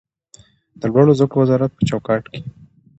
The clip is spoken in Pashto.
د لوړو زده کړو وزارت په چوکاټ کې